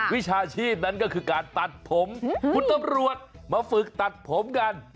วิชาชีพนั้นก็คือการตัดผมคุณตำรวจมาฝึกตัดผมกัน